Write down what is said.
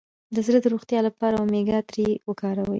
د زړه د روغتیا لپاره اومیګا تري وکاروئ